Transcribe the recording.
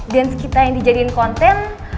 dance kita yang dijadiin konten